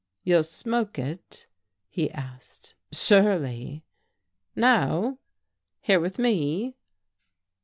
"You'll smoke it?" he asked. "Surely." "Now? Here with me?"